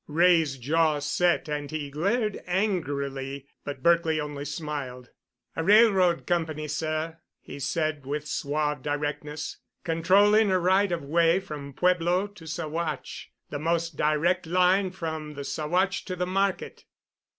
Wray's jaw set, and he glared angrily, but Berkely only smiled. "A railroad company, sir," he said with suave directness, "controlling a right of way from Pueblo to Saguache—the most direct line from the Saguache to the market.